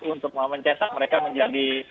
untuk memencesak mereka menjadi unjuk gigi ini